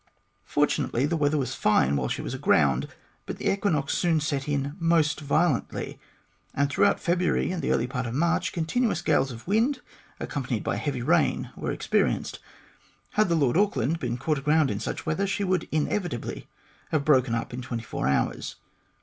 Fortunately, the weather was fine while she was aground, but the equinox soon set in most violently, and throughout February and the early part of March continuous gales of wind, accompanied by heavy rain, were experienced. Had the Lord Auckland been caught aground in such weather, she would inevitably have broken up in twenty four hours.